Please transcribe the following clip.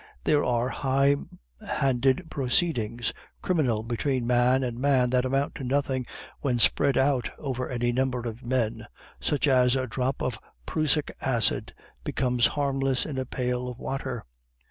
There are high handed proceedings criminal between man and man that amount to nothing when spread out over any number of men, much as a drop of prussic acid becomes harmless in a pail of water.